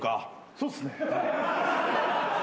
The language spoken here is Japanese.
そうっすね。